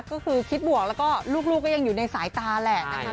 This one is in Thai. ก็คือคิดบวกแล้วก็ลูกก็ยังอยู่ในสายตาแหละนะคะ